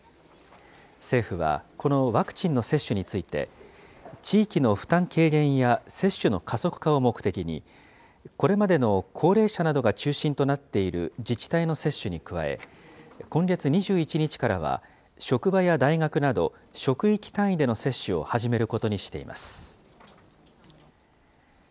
政府はこのワクチンの接種について、地域の負担軽減や接種の加速化を目的に、これまでの高齢者などが中心となっている自治体の接種に加え、今月２１日からは、職場や大学など、職域単位での接種を始めることにしています。